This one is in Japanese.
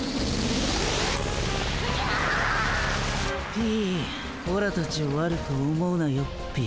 ピィオラたちを悪く思うなよっピィ。